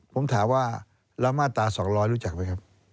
ผมถามว่าแล้วมาตรา๒๐๐รู้จักไหมครับ